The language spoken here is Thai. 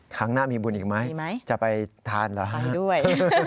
ครั้งหน้ามีบุญอีกไหมจะไปทานเหรอฮะด้วย